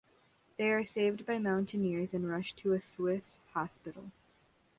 They are saved by mountaineers and rushed to a Swiss hospital.